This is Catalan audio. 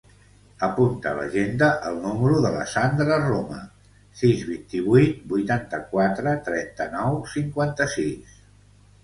Apunta a l'agenda el número de la Sandra Roma: sis, vint-i-vuit, vuitanta-quatre, trenta-nou, cinquanta-sis.